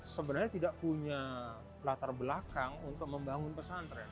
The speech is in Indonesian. sebenarnya tidak punya latar belakang untuk membangun pesantren